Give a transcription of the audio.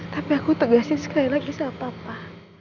tapi aku tegaskan sekali lagi sama papa